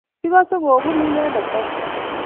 kikose kobunu inendet amut